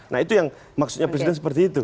nah itu yang maksudnya presiden seperti itu